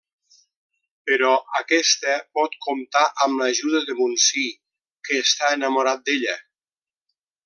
Però aquesta pot comptar amb l'ajuda de Muncie que està enamorat d'ella.